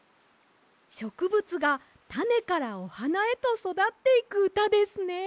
しょくぶつがたねからおはなへとそだっていくうたですね。